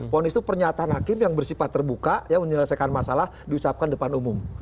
ponis itu pernyataan hakim yang bersifat terbuka yang menyelesaikan masalah diucapkan depan umum